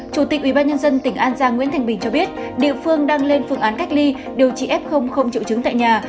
chủ tịch ubnd tỉnh an giang nguyễn thành bình cho biết địa phương đang lên phương án cách ly điều trị f không triệu chứng tại nhà